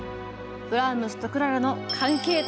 ブラームスとクララの関係とは？